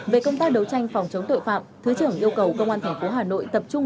về công tác đấu tranh phòng chống tội phạm thứ trưởng yêu cầu công an tp hà nội tập trung